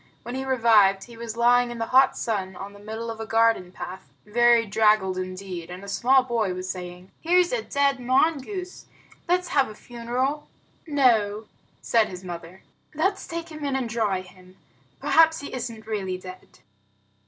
When he revived, he was lying in the hot sun on the middle of a garden path, very draggled indeed, and a small boy was saying, "Here's a dead mongoose. Let's have a funeral." "No," said his mother, "let's take him in and dry him. Perhaps he isn't really dead."